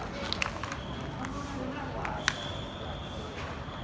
อันที่สุดท้ายก็คือภาษาอันที่สุดท้าย